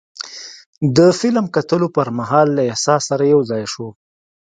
د فلم کتلو پر مهال له احساس سره یو ځای شو.